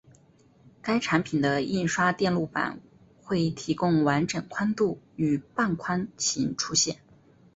该产品的印刷电路板会提供完整宽度与半宽型出现。